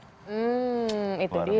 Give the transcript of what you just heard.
hmm itu dia